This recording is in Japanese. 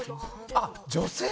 あっ女性？